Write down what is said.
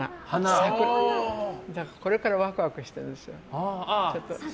だから、これからワクワクしてるんですよ。